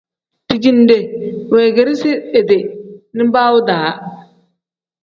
Dijinde weegeresi idi nibaawu-daa.